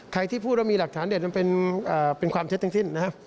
ที่พูดว่ามีหลักฐานเด็ดมันเป็นความเท็จทั้งสิ้นนะครับ